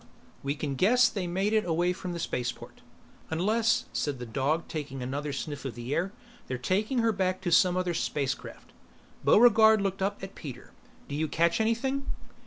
"We can guess they made it away from the spaceport." "Unless," said the dog taking another sniff of the air, "they're taking her back to some other spacecraft." Buregarde looked up at Peter. "Do you catch anything?"